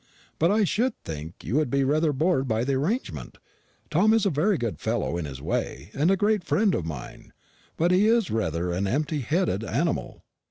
"But I should think you would be rather bored by the arrangement: Tom's a very good fellow in his way, and a great friend of mine, but he's rather an empty headed animal."